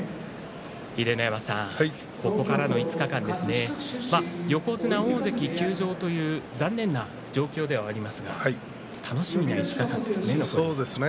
秀ノ山さん、ここからの５日間横綱、大関休場という残念な状況ではありますが楽しみな５日間ですね。